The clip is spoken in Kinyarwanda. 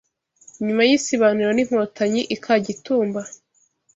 Nyuma y’isibaniro n’Inkotanyi i Kagitumba